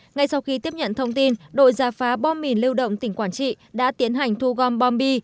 ngay sau khi tiếp nhận thông tin đội giả phá bom mìn lưu động tỉnh quảng trị đã tiến hành thu gom bom bi